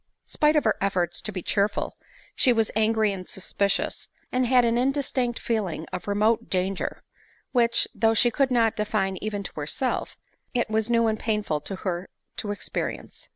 Spite of her efforts to be cheerful, she was angry and suspicious, and had an indistinct feeling of remote dan ger ; which, though she could not define even to herself, it was new and painful to her to experience.